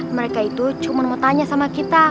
mereka itu cuma mau tanya sama kita